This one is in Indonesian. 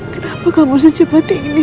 kenapa kamu secepat ini